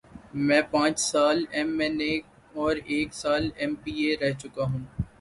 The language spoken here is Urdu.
میں پانچ سال ایم این اے اور ایک سال ایم پی اے رہ چکا ہوں۔